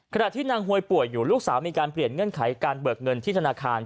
ขณะที่นางหวยป่วยอยู่ลูกสาวมีการเปลี่ยนเงื่อนไขการเบิกเงินที่ธนาคาร